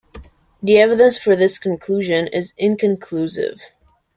The evidence for this conclusion is inconclusive.